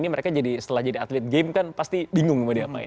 ini mereka jadi setelah jadi atlet game kan pasti bingung mau diapain